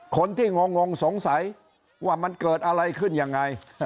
งงสงสัยว่ามันเกิดอะไรขึ้นยังไง